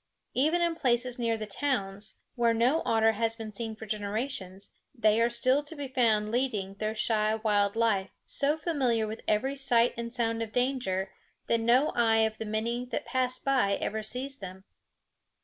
Even in places near the towns, where no otter has been seen for generations, they are still to be found leading their shy wild life, so familiar with every sight and sound of danger that no eye of the many that pass by ever sees them.